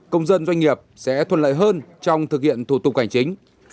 công dân doanh nghiệp sẽ thuận lợi hơn trong thực hiện thủ tục hành chính